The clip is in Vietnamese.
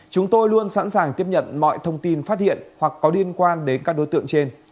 chúng tôi luôn sẵn sàng tiếp nhận mọi thông tin phát hiện hoặc có liên quan đến các đối tượng trên